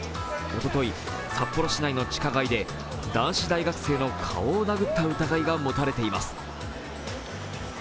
おととい、札幌市内の地下街で男子大学生の顔を殴った疑いが持たれています。